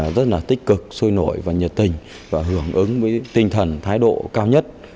rất là tích cực sôi nổi và nhiệt tình và hưởng ứng với tinh thần thái độ cao nhất